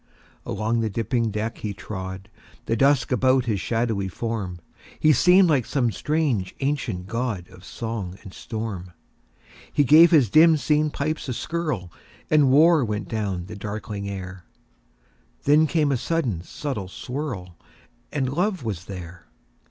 Along the dipping deck he trod, The dusk about his shadowy form; He seemed like some strange ancient godOf song and storm. He gave his dim seen pipes a skirlAnd war went down the darkling air; Then came a sudden subtle swirl, And love was there.